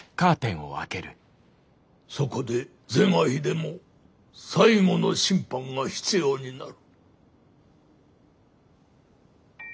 そこで是が非でも最後の審判が必要になる。